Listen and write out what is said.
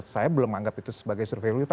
saya belum anggap itu sebagai survei